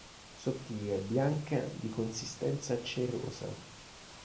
Sottile, bianca di consistenza cerosa.